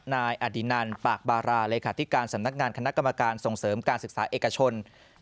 นายอดินันปากบาราเลขาธิการสำนักงานคณะกรรมการส่งเสริมการศึกษาเอกชน